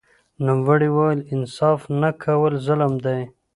نوموړي وویل انصاف نه کول ظلم دی